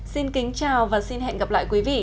xin kính chào và xin hẹn gặp lại quý vị